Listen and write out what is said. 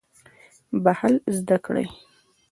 بخښل زده کړئ